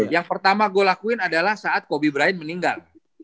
yang pertama gue lakuin adalah saat kobe bryant meninggal